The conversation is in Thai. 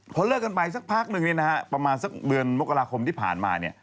เพราะเลิกกันไปสักพักหนึ่งประมาณสักเดือนมกราคมที่ผ่านมา